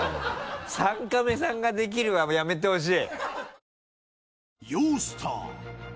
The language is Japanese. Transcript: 「３カメさんができる」はやめてほしい。